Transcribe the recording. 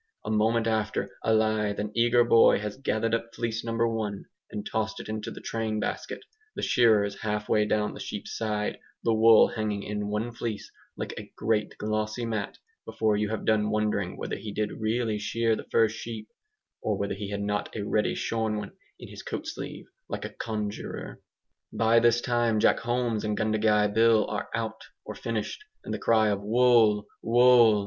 A moment after a lithe and eager boy has gathered up fleece number one, and tossed it into the train basket, the shearer is halfway down the sheep's side, the wool hanging in one fleece like a great glossy mat, before you have done wondering whether he did really shear the first sheep, or whether he had not a ready shorn one in his coat sleeve like a conjuror. By this time Jack Holmes and Gundagai Bill are 'out,' or finished; and the cry of "Wool!' Wool!"